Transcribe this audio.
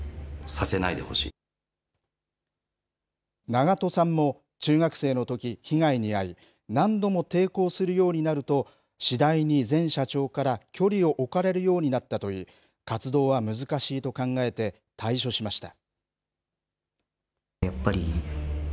長渡さんも、中学生のとき、被害に遭い、何度も抵抗するようになると、次第に前社長から距離を置かれるようになったといい、活動は難しいと考えて、退所しました。